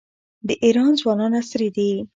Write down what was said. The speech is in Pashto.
د ایران ځوانان عصري دي.